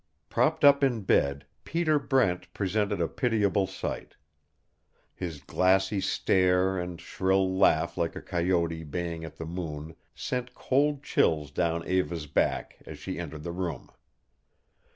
Propped up in bed, Peter Brent presented a pitiable sight. His glassy stare and shrill laugh like a coyote baying at the moon sent cold chills down Eva's back as she entered the room.